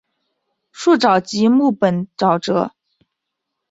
树沼即木本沼泽。